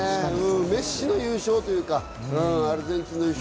メッシの優勝というか、アルゼンチンの優勝。